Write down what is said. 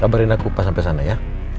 kabarin aku buka sampai sana ya